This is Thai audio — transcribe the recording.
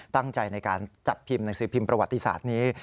ตั้งใจในการจัดพิมพ์หนังสือพิมพ์ประวัติศาสตร์นี้